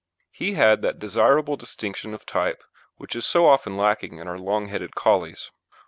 He had that desirable distinction of type which is so often lacking in our long headed Collies.